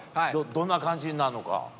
どんな感じになるのか。